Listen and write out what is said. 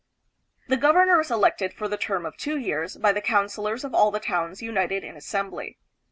The governor is elected for the term of two years by the coun cilors of all the towns united in assembly.